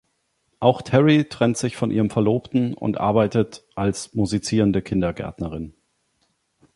Auch Terry trennt sich von ihrem Verlobten und arbeitet als musizierende Kindergärtnerin.